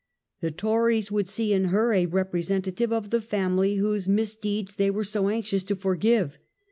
The Tories would see in her a representative of the family whose misdeeds they were so anxious to forgive.